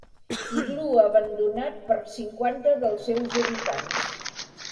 Iglú abandonat per cinquanta dels seus habitants.